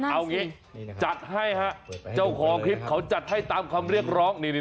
เอางี้จัดให้ฮะเจ้าของคลิปเขาจัดให้ตามคำเรียกร้อง